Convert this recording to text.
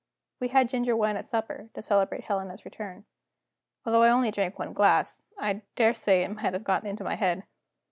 We had ginger wine at supper, to celebrate Helena's return. Although I only drank one glass, I daresay it may have got into my head.